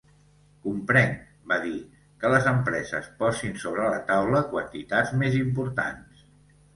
Comprenc –va dir– que les empreses posin sobre la taula quantitats més importants.